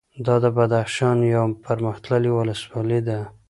دا د بدخشان یوه پرمختللې ولسوالي ده